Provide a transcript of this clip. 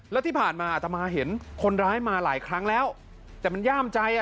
แล้วที่ผ่านมาอาตมาเห็นคนร้ายมาหลายครั้งแล้วแต่มันย่ามใจอ่ะ